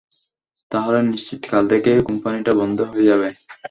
তাহলে নিশ্চিত কাল থেকে কোম্পানিটা বন্ধ হয়ে যাবে।